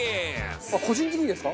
個人的にですか？